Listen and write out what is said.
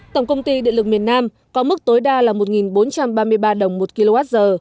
tổng công ty điện lực miền nam có mức tối đa là một bốn trăm ba mươi ba đồng một kwh